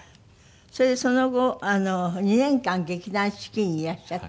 それでその後２年間劇団四季にいらっしゃって。